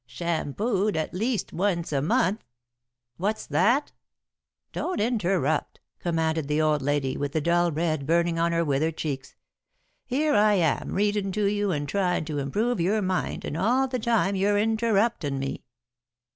"'Shampooed at least once a month.'" [Sidenote: Face Massage] "What's that?" "Don't interrupt," commanded the old lady, with the dull red burning on her withered cheeks. "Here I am readin' to you and tryin' to improve your mind and all the time you're interruptin' me."